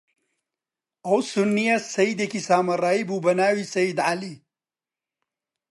ئەو سوننییە سەییدێکی سامرایی بوو، بە ناوی سەیید عەلی